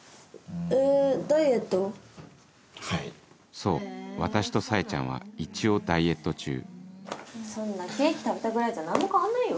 そう私とサエちゃんは一応ダイエット中そんなケーキ食べたぐらいじゃ何も変わんないよ。